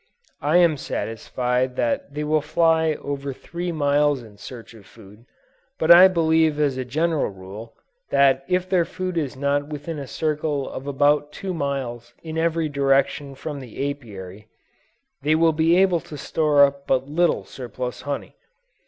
I am satisfied that they will fly over three miles in search of food, but I believe as a general rule, that if their food is not within a circle of about two miles in every direction from the Apiary, they will be able to store up but little surplus honey.